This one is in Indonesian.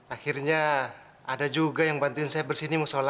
akhirnya ada juga yang bantuin saya bersih ini musola